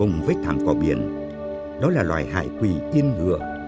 cùng với thảm cỏ biển đó là loài hải quỷ yên ngựa